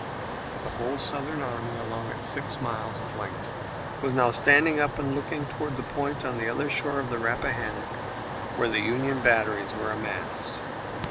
The whole Southern army, along its six miles of length, was now standing up and looking toward the point on the other shore of the Rappahannock where the Union batteries were massed.